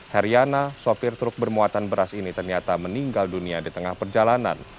heriana sopir truk bermuatan beras ini ternyata meninggal dunia di tengah perjalanan